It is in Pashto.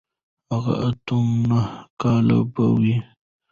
هغه اتو نهو کالو به و.